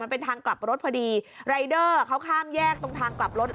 เป็นทางกลับรถพอดีรายเดอร์เขาข้ามแยกตรงทางกลับรถ